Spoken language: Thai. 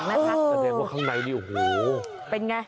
แสดงว่าข้างในนี่โอ้โหเป็นไง